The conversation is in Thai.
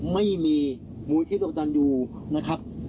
ไม่มีมูลิธิทธิประจันทร์อยู่นะครับ